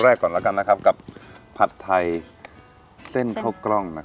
เส้นหอบกล้องมันจะเหนียวกับเส้นเล็กปกติเนอะ